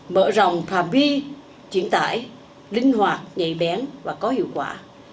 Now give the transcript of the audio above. mở ròng phàm bi chuyển tải linh hoạt nhạy bén và có hiệu quả